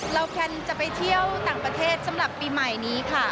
แคนจะไปเที่ยวต่างประเทศสำหรับปีใหม่นี้ค่ะ